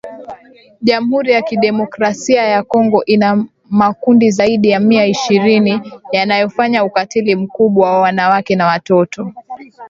Jamhuri ya Kidemokrasia ya Kongo ina makundi zaidi ya mia ishirini yanayofanya ukatili mkubwa wa wanawake na watoto.